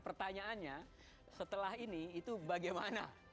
pertanyaannya setelah ini itu bagaimana